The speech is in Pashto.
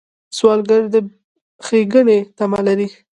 سوالګر د ښېګڼې تمه لري